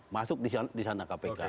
masuk di sana kpk